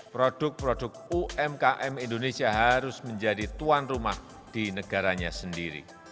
produk produk umkm indonesia harus menjadi tuan rumah di negaranya sendiri